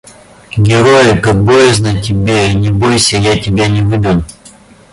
Герой, как боязно тебе, Не бойся, я тебя не выдам.